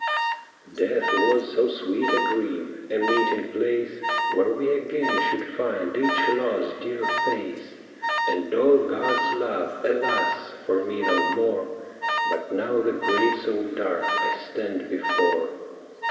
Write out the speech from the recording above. ' Death was so sweet a dream, a meeting place Where we again should find each lost, dear face. And all God's love, alas ! for me no more, But now the grave so dark I stand before.